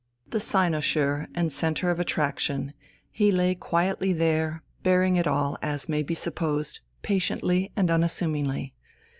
The cynosure and centre of attraction, he lay quietly there, bearing it all, as may be supposed, patiently and unassumingly.